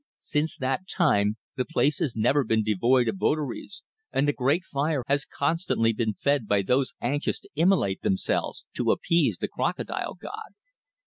Since that time the place has never been devoid of votaries, and the great fire has constantly been fed by those anxious to immolate themselves to appease the Crocodile god."